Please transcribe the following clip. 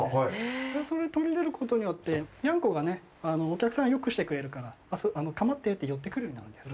それを取り入れることによってにゃんこがねお客さんをよくしてくれるから構ってって寄ってくるんです。